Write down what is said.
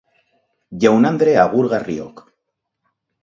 Jaun-andre agurgarriok.